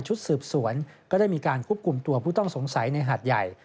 ชุดสืบสวนก็ได้มีการควบคุมตัวผู้ต้องสงสัยในหาดใหญ่